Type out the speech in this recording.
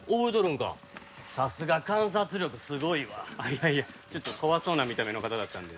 いやいやちょっと怖そうな見た目の方だったんで。